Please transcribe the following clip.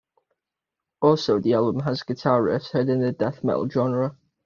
Also, the album has guitar riffs heard in the death metal genre.